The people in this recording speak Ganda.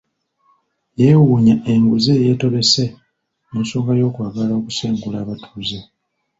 Yeewuunya enguzi eyeetobese mu nsonga y'okwagala okusengula abatuuze